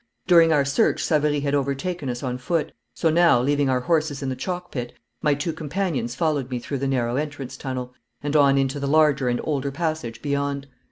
During our search Savary had overtaken us on foot, so now, leaving our horses in the chalk pit, my two companions followed me through the narrow entrance tunnel, and on into the larger and older passage beyond.